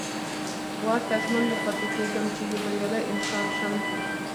ورته ژمن به پاتې کېږم چې يو بريالی انسان شم.